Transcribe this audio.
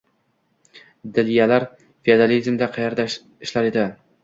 — Dilyalar feodalizmda qaerda ishlar edi?